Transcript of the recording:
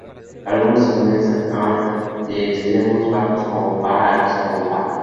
Algunos tenores pueden alcanzar extremos bajos como fa o altos como fa.